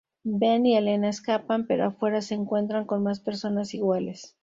Ben y Elena escapan, pero afuera se encuentran con más personas iguales.